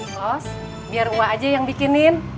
bos biar wa aja yang bikinin